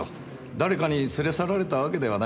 誰かに連れ去られたわけではない。